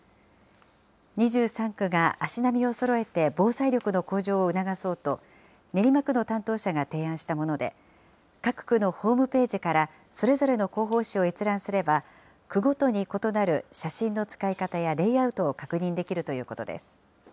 ２３区が足並みをそろえて防災力の向上を促そうと、練馬区の担当者が提案したもので、各区のホームページからそれぞれの広報誌を閲覧すれば、区ごとに異なる写真の使い方やレイアウトを確認できるということです。